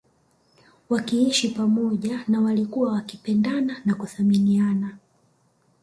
Wakiishi pamoja na walikuwa wakipendana na kuthaminiana